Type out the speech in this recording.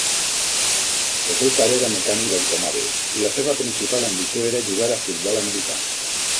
El seu pare era mecànic d'automòbils i la seva principal ambició era jugar a futbol americà.